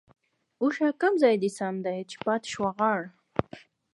ـ اوښه کوم ځاى د سم دى ،چې پاتې شوه غاړه؟؟